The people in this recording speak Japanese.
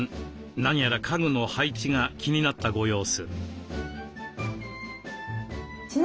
何やら家具の配置が気になったご様子。